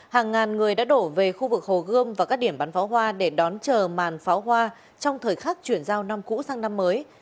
hàng ngàn người đã đổ về khu vực hồ gươm và các điểm bắn pháo hoa để đón chờ màn pháo hoa trong thời khắc chuyển giao năm cũ sang năm mới